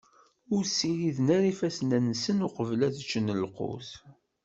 Ur ssiriden ara ifassen-nsen uqbel ad ččen lqut.